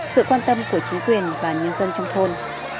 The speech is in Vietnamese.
sự quan tâm của chính quyền và nhân dân trong thôn